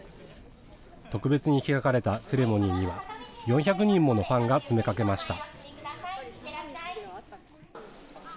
特別に開かれたセレモニーには、４００人ものファンが詰めかけました。